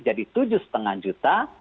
jadi tujuh lima juta